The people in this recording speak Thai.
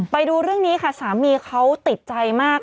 ไปดูเรื่องนี้ค่ะสามีเขาติดใจมาก